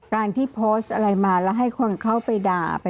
การที่โพสต์อะไรมาแล้วให้คนเข้าไปด่า